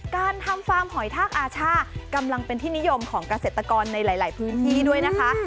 การทำฟาร์มหอยทากอาช่ากำลังเป็นที่นิยมของเกษตรกรในหลายพื้นที่ด้วยนะคะ